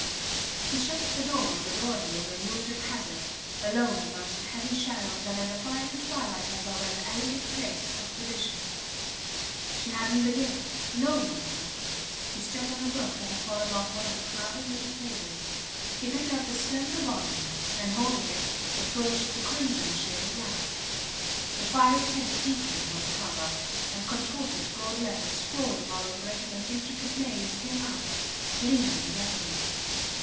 He shut the door of the drawing room and moved at hazard, alone amongst the heavy shadows and in the fiery twilight as of an elegant place of perdition. She hadnt the gift no one had. ... He stepped on a book that had fallen off one of the crowded little tables. He picked up the slender volume, and holding it, approached the crimson shaded lamp. The fiery tint deepened on the cover, and contorted gold letters sprawling all over it in an intricate maze, came out, gleaming redly.